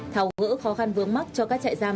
thảo gỡ khó khăn vướng mắt cho các chạy giam